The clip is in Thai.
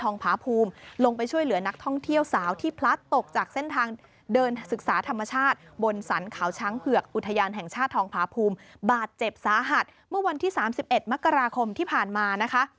พาภูมิลงไปช่วยเหลือนักท่องเที่ยวสาวที่พลัดตกจากเส้นทางเดินศึกษาธรรมชาติบนสรรเขาช้างเผือกอุทยานแห่งชาติทองผาภูมิบาดเจ็บสาหัสเมื่อวันที่๓๑มกราคมที่ผ่านมานะคะ